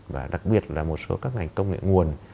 và đặc biệt là một số các ngành công nghệ nguồn